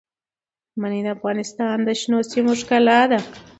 منی د افغانستان د شنو سیمو ښکلا ده.